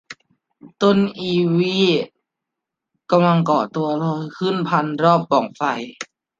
ต้นไอวี่กำลังก่อตัวเลื้อยขึ้นพันรอบปล่องไฟ